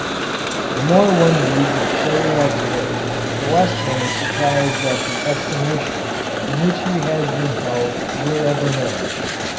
The more one reads of Chauliac's work the less is one surprised at the estimation in which he has been held wherever known.